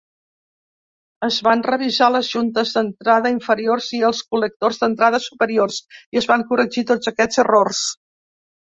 Es van revisar les juntes d'entrada inferiors i els col·lectors d'entrada superiors, i es van corregir tots aquests errors.